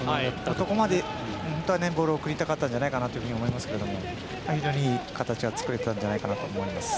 そこまでボールを送りたかったんじゃないかと思うんですけど非常にいい形は作れていたと思います。